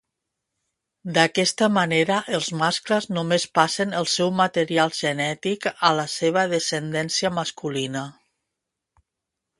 D'aquesta manera els mascles només passen el seu material genètic a la seva descendència masculina.